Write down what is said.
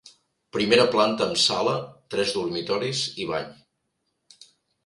Primera planta amb sala, tres dormitoris i bany.